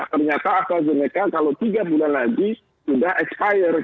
ternyata astrazeneca kalau tiga bulan lagi sudah expired